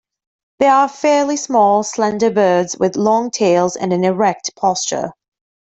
They are fairly small, slender birds with long tails and an erect posture.